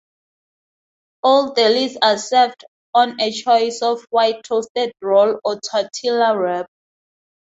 All delis are served on a choice of white toasted roll or tortilla wrap.